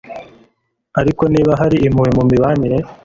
ariko niba hari impuhwe mu mibanire